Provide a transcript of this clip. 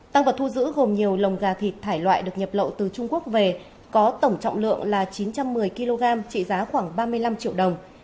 tăng vật thu giữ gồm nhiều lồng gà thịt thải loại được nhập lậu từ trung quốc về có tổng trọng lượng là chín trăm một mươi kg trị giá khoảng ba mươi năm triệu đồng